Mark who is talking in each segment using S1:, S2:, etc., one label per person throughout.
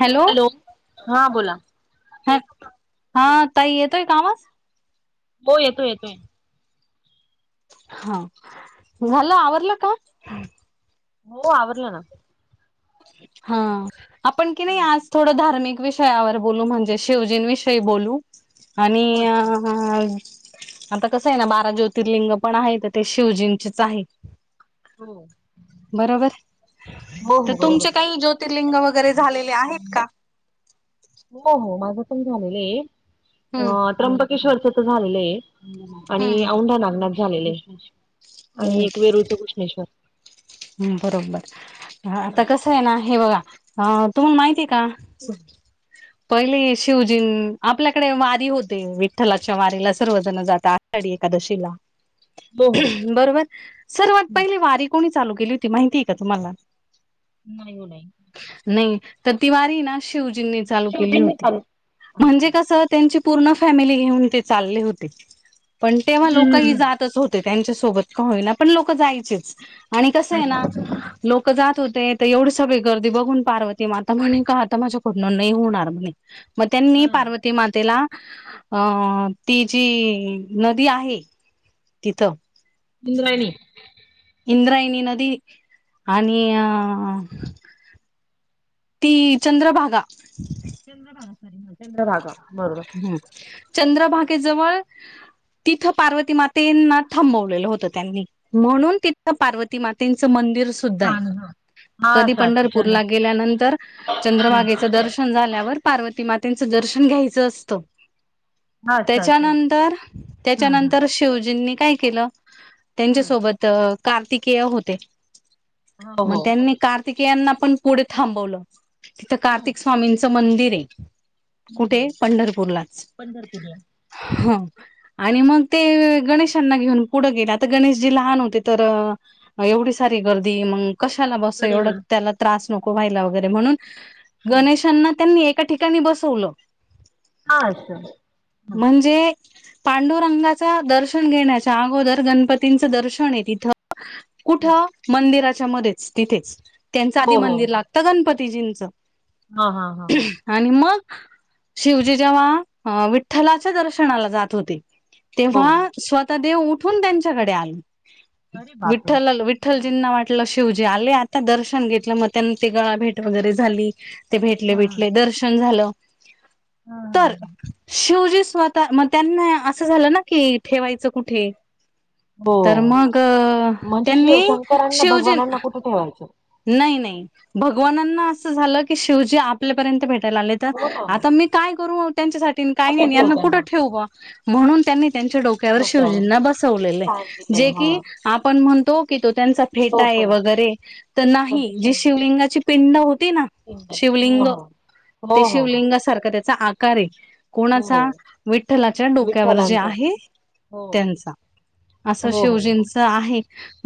S1: Hello!
S2: हा बोला
S1: हं हां ताई येतोय का आवाज?
S2: हो येतोय येतोय.
S1: हां, झालं आवरलं काम?
S2: हो आवरलं ना.
S1: हां, आपण की नाही आज थोडं धार्मिक विषयावर बोलू, म्हणजे शिवजीनं विषयी बोलू. आणि
S2: हो
S1: अ
S2: अच्छा अच्छा
S1: आता कसं आहे ना, बारा ज्योतिर्लिंग पण आहे ते शिवजींचेच आहे
S2: हो.
S1: बरोबर.
S2: हो
S1: तर
S2: हो
S1: तुमचे
S2: बरोबर
S1: काही ज्योतिर्लिंग वगैरे झालेले आहेत का?
S2: हो हो माझं पण झालेलं आहे
S1: हम्म
S2: अ त्र्यंबकेश्वरचं तर झालेले आहे आणि
S1: हम्म
S2: औंढा नागनाथ झालेले आहे, आणि एक वेरूळचं कृष्णेश्वर.
S1: हम्म बरोबर. अ आता कसं आहे ना हे बघा, अ तुम्हाला माहितीय का? पहिले शिवजीनं, आपल्याकडे वारी होते, विठ्ठलाच्या वारीला सर्व जणं जातात आषाडी एकादशीला,
S2: हो हो
S1: बरोबर, सर्वात पहिले वारी कोणी चा चालू केली होती माहितीये का तुम्हाला?
S2: नाही हो नाही.
S1: नाही, तर ति वारी ना शिवजींनी चालू केली
S2: शिवजींनी
S1: होती, म्हणजे कसं त्यांची पूर्ण फॅमिली घेऊन ते चालले होते, पण तेव्हा लोकंही
S2: हम्म
S1: जातच होत ते त्यांच्या सोबत का होईना, पण लोकं जायचेच, आणि कसंय
S2: अच्छा
S1: ना लोकं जात होते तर एवढे सगळे गर्दी बघून पारवती माता आता म्हणे, का आता माझ्या कडनं नाही होणार म्हणे. मग त्यांनी
S2: हम्म
S1: पारवती ती मातेला, अ ती जी नदी आहे तिथं
S2: इंद्रायणी
S1: इंद्रायणी नदी आणि अ ती चंद्रभागा.
S2: चंद्रभागा चंद्रभागा बरोबर.
S1: [unintelligible] चंद्रभागेजवळ तिथं पार्वती मातेंना थांबवलेलं होतं त्यांनी. म्हणून तिथं पार्वती मातेंचं मंदिर सुद्धा हाय.
S2: तान हा हा
S1: कधी
S2: असं असं चंद्र
S1: पंढरपूरला गेल्यानंतर, चंद्रभागेचं दर्शन झाल्यावर पार्वती मातेंच दर्शन घ्यायचं असतं.
S2: हा असं असं
S1: त्याच्यानंतर
S2: हा हा
S1: त्याच्यानंतर शिवजींनी काय केलं
S2: हम्म
S1: त्यांच्यासोबत कार्तिकेय होते.
S2: हो
S1: मग
S2: हो
S1: त्यांनी कार्तिकेयांना पण पुढे थांबवलं, तिथं
S2: हम्म
S1: कार्तिक स्वामींच मंदिर हे. ते
S2: हम्म
S1: पंढरपूरलाच,
S2: पंढरपूरला
S1: हं. आणि मग ते गणेशांना घेऊन पुढं गेले, आता गणेशजी लहान होते तर ह एवढी सारी गर्दी मंग कशाला बस एवढं
S2: कडेवर.
S1: त्याला त्रास नको व्हायला वगैरे म्हणून,
S2: हं.
S1: गणेशांना त्यांनी एका ठिकाणी बसवलं.
S2: हां असं.
S1: म्हणजे पांडुरंगाच दर्शन घेण्याच्या अगोदर, गणपतींचं दर्शन आहे तिथं कुठं मंदिराच्या मध्येच तिथेच. त्यांचं
S2: हो
S1: आधी मंदिर लाग त गणपतीजींचं.
S2: हां हां हां.
S1: आणि मग शिवजी जेव्हा अ वि ठ्ठलाच्या दर्शनाला जात होते,
S2: हो हो
S1: तेव्हा स्वतः देेव उठून त्यांच्याकडे आले.
S2: अरे बापरे!
S1: विठ्ठलाल विठ्ठलजींना वाट लं शिवजी आले आता दर्शन घेतलं, मग त्यां ते गळा भेट वगैरे झाली. ते भेटले
S2: हम्म
S1: बिटले, दर्शन झालं. तर
S2: हम्म
S1: शिवजी स्वतः म त्यांना असं झालं ना की ठेवायचं कुठे?
S2: हो
S1: तर मग
S2: म्हणजे शिव
S1: त्यांनी
S2: शंकरांना भगवानांना
S1: शिवजींना
S2: कुठे ठेवायचं?
S1: नाही नाही भगवानांना असं झालं की, शिवजी आपल्यापर्यंत भेटायला आले तर.
S2: हो ना
S1: आता मी काय करू त्यांच्यासाठीन काय
S2: कुठे
S1: नाही आणि
S2: ठेवू
S1: यांना कुठे
S2: त्यांना
S1: ठेवू बुवा? म्हणून त्यांनी त्यांच्या डो क्यावर
S2: डोक्यावर
S1: शिवजींना बसवलेलं
S2: सांज
S1: हाय.
S2: दिले
S1: जे
S2: हो
S1: की आपण म्हणतो की तो त्यांचा
S2: तो
S1: फेटा हाय
S2: पण
S1: वगैरे तर नाही जी शिवलिंगाची पिंड होती ना,
S2: हो हो
S1: शिवलिंग ते
S2: हो हो हो
S1: शिवलिंग सारखा त्याचा आकार हे.
S2: हो
S1: कोणाचा? विठ्ठलाच्या डोक्यावर जे
S2: विठ्ठलांच हो
S1: आहे
S2: हो
S1: त्यांचा. असं
S2: हो
S1: शिवजींच आहे.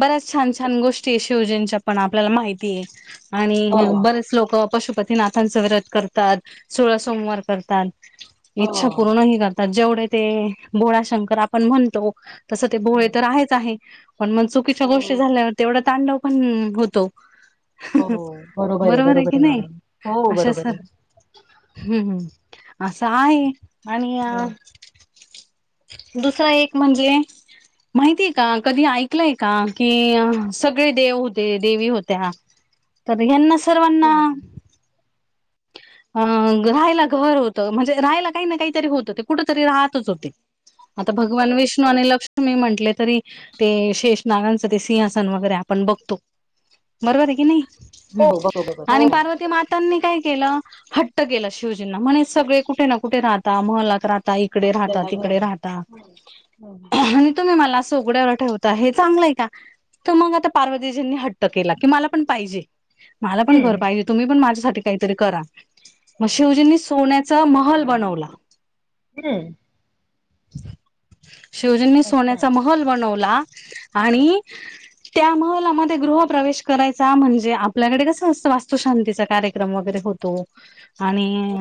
S1: बऱ्याच छान छान गोष्टी हे शिवजींच्या पण आपल्याला माहिती आहे. आणि
S2: हो
S1: हं
S2: हो
S1: बर चं लोक पशुपतीनाथांच व्रत करतात, सोळा सोमवार करतात. इच्छा पूर्णही करतात. जेवढे ते भोळाशंकर आपण म्हणतो तसं ते भोळे
S2: हो
S1: तर आहेच आहे. पण मग चुकीच्या गोष्टी झाल्यावर तेवढा तांडव पण होतो
S2: हो
S1: बरोबर आहे की नाही
S2: मॅडम हो
S1: अशा
S2: बरोबर
S1: सर
S2: आहे
S1: हम्म हम्म असं आहे आणि आणि,
S2: हं.
S1: दुसरा एक म्हणजे, माहितीये का कधी ऐकलंय का की सगळे देव, ते देवी होत्या तर ह्यांना सर्वांना,
S2: हो हो.
S1: [unintelligible] अं राहायला घर होत म्हणजे राहायला काही ना काहीतरी होतं ते कुठं तरी राहतच होते. आता भगवान विष्णू आणि लक्ष्मी म्हटले तरी, ते शेष नागांचं ते सिंहासन वगैरे आपण बघतो. बरोबर आहे की
S2: हो
S1: नाही
S2: बरोबर हो
S1: आणि पार्वती मात तानी काय केलं हट्ट केला शिवजींना म्हणे सगळे कुठे ना कुठे राहता महलात राहता, ताई इकडे राहता
S2: आपल्याला घर
S1: तिकडे राहता
S2: हम्म
S1: आण तुम्ही मला असं उघड्यावर ठेवता हे चांगल आहे का मग आता पार्वतीजीनी हट ट केला की मला पण पाहिजे मला पण घर
S2: हम्म
S1: पाहिजे तुम्ही पण माझ्यासाठी काहीतरी करा. मग
S2: बरा
S1: शिवजींनी सोन्याचा महल बनवला.
S2: हम्
S1: शिवजींनी
S2: अच्छा
S1: सोन्याचा महल बनवला
S2: हा
S1: आणि, त्या महला म ते गृह प्रवेश करायचा म्हणजे आपल्याकडे कसं असं वास्तुशांतीचा कार्यक्रम वगैरे होतो. आणि,
S2: हो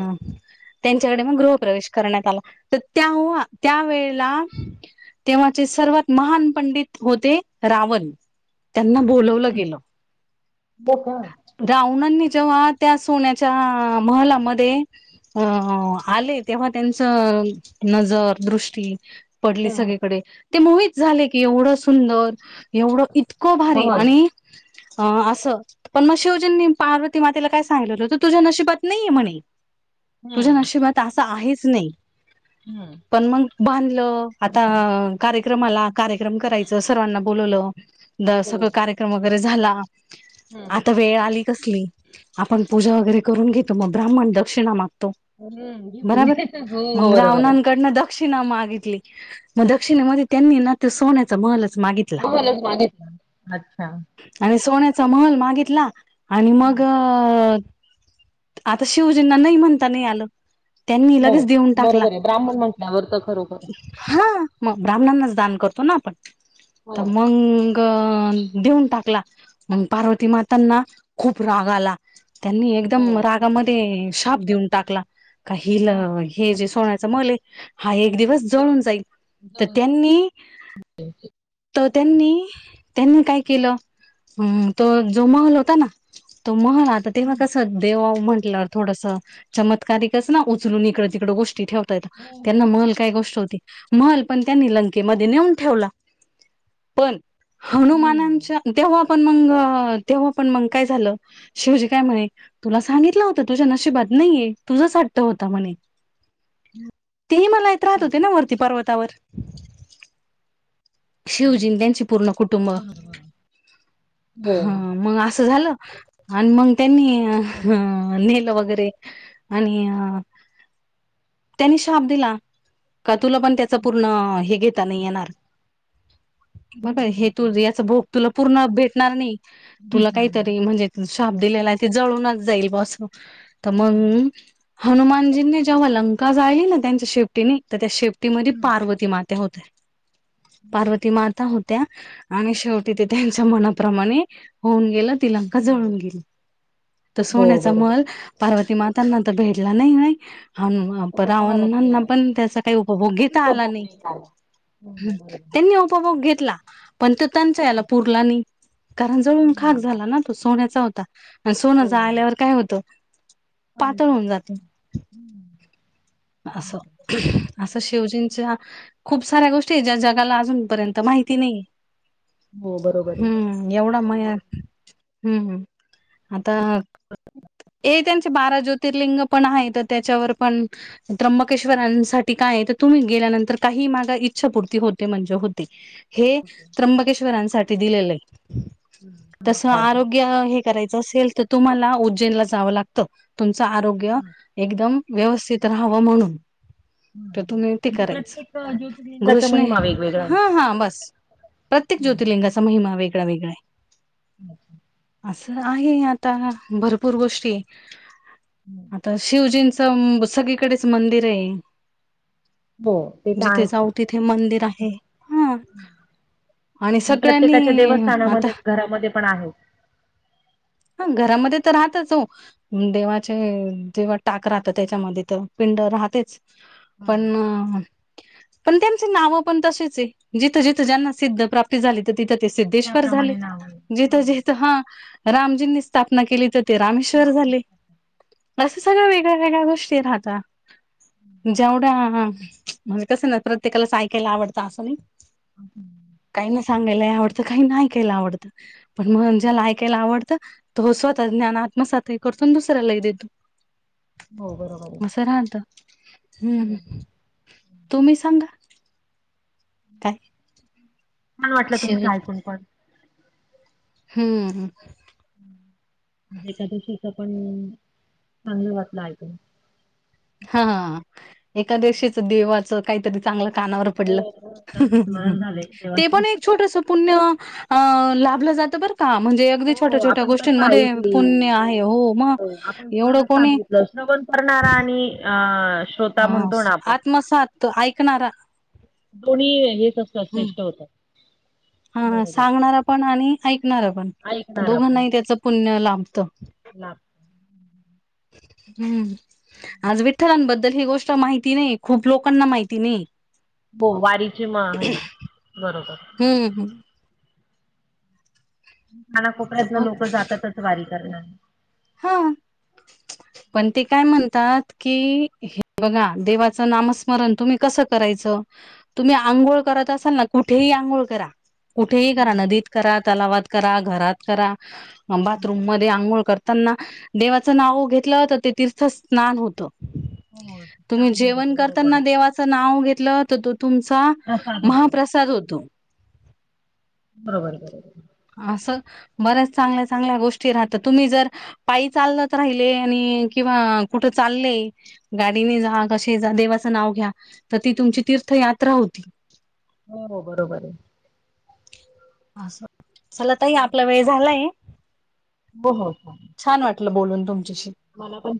S1: त्यांच्याकडे मग गृह प्रवेश करण्यात आला तर त्यावहा त्यावेेळेला. तेव्हाचे सर्वात महान पंडित होते रावण. त्यांना बोलवलं गेलं. रावणांनी जेव्हा त्या सोन्याच्या महलामध्ये, अ ह आले तेव्हा त्यांचं नजर दृष्टी, पडली
S2: हम्म
S1: सगळीकडे ते मोहीत झाले की एवढं सुंदर एवढं इतकं भारी
S2: हम्म
S1: आणि, हा आस. पण मग शिवजींनी पार्वती मातेला काय सांगितलं होतं तो तुझ्या नशीबात नाहीये म्हणे. तुझ्या नशिबात असं आहेच नाही
S2: हम्म
S1: पण मग, बांधलं आता कार्यक्रमाला कार्यक्रम करायचं सर्वांना बोलवलं. दशक
S2: हो
S1: सगळं कार्यक्रम वगैरे झाला
S2: हम्म
S1: आता वेळ आली कसली. आपण पूजा वगैरे करून घेतो मग ब्राह्मण दक्षिणा मागतो.
S2: हम्म हम्म
S1: बराबर
S2: घेतले हो
S1: मंग
S2: बरोबर आहे
S1: रावणाकडंन द क्षिणा मागितली मग दक्षिणेमध्ये त्यांनी ना तो सोन्याचा महलच मागितला.
S2: [inaudible] मागितला. अच्छा,
S1: आणि सोन्याचा महल मागितला आणि मग, अ आता शिवजींना नाही म्हणता नाही आलं. त्यांनी
S2: हो
S1: लगेच देऊन टाकला
S2: बरोबर आहे ब्राह्मण म्हटल्यावर तर खरोखर,
S1: हा मग ब्राह्मणांनाच दान करतो ना आपण
S2: हो
S1: तर मंग. कण देऊन टाकला मग पार्वती मातांना खूप राग आला. त्यांनी
S2: हो
S1: एकदम रागामध्ये श्राप देऊन टाकला का
S2: हा
S1: हिलं हे जे सोन्याच महल आहे हा एक दिवस
S2: जाऊ.
S1: जळून जाईल तर त्यांनी, तर त्यांनी, त्यांनी काय केलं तो जो महल होता ना तो महलात, तर तेव्हा कस देवावर म्हटल्यावर थोडस चमत्कारिकच ना उचलून इकड तिकडं गोष्टी ठेवा त्यांना महल काय गोष्ट होती महल पण त्यांनी लंकेमध्ये नेऊन ठेवला पण
S2: हम्म
S1: हनुमानांच्या तेव्हा पण मंग, तेव्हा पण मंग काय झालं शिवजी काय म्हणे तुला सांगितलं होतं तुझ्या नशिबात नाहीये तुझाच हट्ट होता म्हणे.
S2: [inaudible]
S1: ते हिमालयात राहत होते ना वरती पर्वतावर.
S2: हम्म.
S1: शिवजी न त्यांचे पूर्ण कुटुंब
S2: बरोबर बरोबर हो
S1: हा मग असं झालं. आण मग त्यांनी
S2: हो
S1: हं नेलं वगैरे आणि अ त्यांनी शाप दिला का तुला पण त्याच पूर्ण हे घेता नाही येणार म काय हे तू याच भोग तुला पूर्ण भेटणार नाही तुला
S2: घेतणार नाही
S1: काहीतरी म्हणजे शाप दिलेला आहे ते जळूनच जाईल बा स तर
S2: हो
S1: मंग हनुमानजींनी जेव्हा लंका जाळली ना त्यांच्या शेपटीने तर त्या शेपटीमध्ये
S2: हम्म
S1: पार्वती ती मात्या होत्या.
S2: हो
S1: पार्वती माता होत्या आणि शेवटी ते त्यांच्या मनाप्रमाणे होऊन गेलं ति लंका जळून
S2: झालं
S1: गेली तर
S2: हो
S1: सोन्याचा
S2: बरोबर
S1: महल पार्वती मातांना तर भेटला नाही नाही हान प
S2: कोणालाच
S1: रावणणांना
S2: मिळाला
S1: पण त्याचा काही उपभोग घेता आला
S2: उपभोग
S1: नाही.
S2: आला. हम्म
S1: नी उपभोग घेतला पण तो त्यांच्या याला पुरला नाही कारण जळून खाक झाला ना. तो सोन्याचा होता आण सोन
S2: बरोबर.
S1: जाळल्यावर काय होतं? पातळ होऊन जात
S2: [unintelligible]
S1: अस शिवजींच्या खूप साऱ्या गोष्टी आहे ज्या जगाला अजूनपर्यंत माहिती नाहिय.
S2: हो बरोबरय.
S1: एवढा महिना हम्म हम्म आता ये त्यांच बारा ज्योतिर्लिंग पण आहेत त्याच्यावर पण त्र्यंबकेश्वरांसाठी कायय तर तुम्ही गेल्यानंतर काही मागा इच्छापूर्ती होत होते म्हणजे होते हे त्र्यंबकेश्वरांसाठी दिलेलय. तस आरोग्य हे करायच असेल तर तुम्हाला उज्जैनला जावं लागत तुमचं आरोग्य एकदम व्यवस्थित राहावं म्हणून. तर तुम्ही ते
S2: म्हणजे
S1: करायच
S2: प्रत्येक ज्योतिर्लिंगाचा
S1: घृष्ण
S2: महिमा वेगवेगळा
S1: हां
S2: आहे.
S1: हां बस प्रत्येक ज्योतिर्लिंगाचा महिमा वेगळा वेगळाय.
S2: अच्छा.
S1: असं आहे आता भरपूर गोष्टी आता शिवजींचं सगळीकडेच मंदिर हे
S2: हो ते तर
S1: जिथे
S2: आहेच.
S1: जाऊ ति थे मंदिर आहे हा आणि
S2: म्हणजे
S1: सगळ्यांनी
S2: प्रत्येकाच्या
S1: आता
S2: देवस्थानामध्ये घरामध्ये पण आहे.
S1: हा घरामध्ये तर राहतच ओ. देवाचे जेव्हा टाक राहत त्याच्यामध्ये तर पिंड राहतेच. पण
S2: हम्म.
S1: पण त्यांचे नाव पण तसेचय जिथं जिथं ज्यांना सिद्ध प्राप्त झाली तर तिथं ते सिद्धेश्वर झाले
S2: त्याप्रमाणे नाव आहे.
S1: जिथं
S2: हो.
S1: जिथं हा रामजींनी स्थापना केली तर ते रामेश्वर झाले अस सगळ वेगळ्या वेगळ्या गोष्टी राहता. जेवढा म्हणजे कसं ना प्रत्येकालाच आयकाला आवडतं असं नाही.
S2: [inaudible]
S1: काही ना सांगायलाही आवडतं, काही ना एकायला आवडतं, पण मग ज्याला ऐकायला आवडतं तो स्वतः ज्ञान आत्मसात हि करतो न दुसऱ्यालाही देतो.
S2: हो बरोबर आहे.
S1: असं राहतं, हम्म, तुम्ही सांगा काय
S2: छान वाटलं
S1: शिव
S2: तुमचं ऐकून पण.
S1: हम्म्म हम्म.
S2: एकादशीचं पण, चांगलं वाटलं ऐकुण.
S1: हां ऽऽएकादिवशीचं देवाच काहीतरी चांगलं कानावर
S2: हो
S1: पडलं,
S2: हो त्यांना स्मरण झालंय
S1: ते
S2: देवाचं.
S1: पण एक छोटंसं पुण्य अ लाभलं जातं बरं का, म्हणजे एक अगदी छोट्या
S2: हो
S1: छोट्या
S2: आपण कथा
S1: गोष्टींमध्ये
S2: ऐकली.
S1: पुण्य आहे, हो मग, एवढं कोणी
S2: तर श्रवण करणारा आणि अ श्रोता म्हणतो ना आपण
S1: तो ऐकणारा
S2: कोणी हेच असतात, श्रेष्ठ होतात.
S1: हा
S2: बरोबर
S1: सांगणार पण आणि ऐकणार पण,
S2: ऐकणार आपण
S1: दोघांनाही त्याचं पुण्य लाभतं.
S2: लाभ
S1: हम्म. आज विठ्ठलांबद्दल ही गोष्ट माहिती नाहीय, खूप लोकांना माहिती नाहीये.
S2: हो वारीचे माहे हे, बरोबर.
S1: हम्म हम्म. तर
S2: कानाकोपऱ्यातनं
S1: बघ
S2: लोकं जातातच वारी करणारे.
S1: हां. पण ते काय म्हणतात की, हे बघा, देवाचं नामस्मरण तुम्ही कसं करायचं, तुम्ही आंघोळ करत असाल ना, कुठेही आंघोळ करा, कुठेही करा,
S2: हं,
S1: नदीत करा, तलावात करा, घरात करा, अ
S2: हं.
S1: बाथरूम मध्ये आंघोळ कर तांना देवाचं नाव घेतलं, तर ते तीर्थ स्नान होतं.
S2: हो, छान होऊन जातं बरोबरच.
S1: च नाव घेतलं, तर तो तुमचा
S2: प्रसाद होतो.
S1: महाप्रसाद होतो.
S2: बरोबर बरोबर.
S1: असं, बऱ्याच चांगल्या चांगल्या गोष्टी राहतं, तुम्ही जर पायी चालत राहिले, आणि किंवा कुठं चाल्ले गाडीने जा कसेही जा देवाचं नाव घ्या, तर ती तुमची तीर्थ यात्रा होती.
S2: हो बरोबर आहे.
S1: असं, चला ताई आपला वेळ झालाय.
S2: हो हो हो,
S1: छान वाटलं बोलून तुमच्याशी.
S2: मला पण